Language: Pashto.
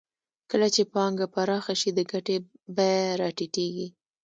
کله چې پانګه پراخه شي د ګټې بیه راټیټېږي